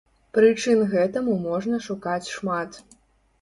Прычын гэтаму можна шукаць шмат.